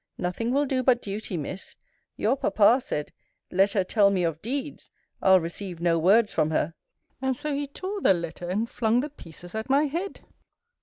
Nothing will do but duty, Miss! Your papa said, Let her tell me of deeds! I'll receive no words from her. And so he tore the letter, and flung the pieces at my head.